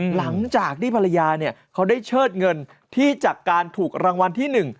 หลังจากที่ภรรยาเนี่ยเขาได้เชิดเงินที่จากการถูกรางวัลที่๑